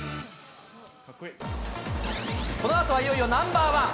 このあとはいよいよナンバーワン。